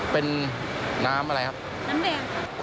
เป็นน้ำอะไรครับ